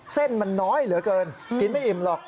เส้นมันน้อยเหลือเกินกินไม่อิ่มหรอก